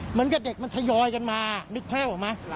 เหมือนกับเด็กมันสยอยกันมานึกแค่บอกมั้ย